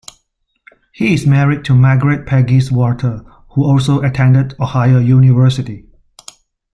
He is married to Margaret "Peggy" Walter, who also attended Ohio University.